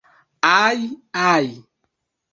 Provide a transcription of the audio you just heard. Aj, aj!